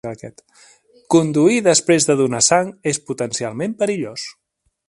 Conduir després de donar sang és potencialment perillós.